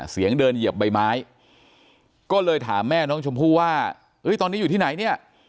เสียงเดินเหยียบใบไม้ก็เลยถามแม่น้องชมพู่ว่าตอนนี้อยู่ที่ไหนเนี่ย